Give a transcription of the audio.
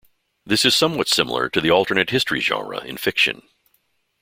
This is somewhat similar to the alternate history genre in fiction.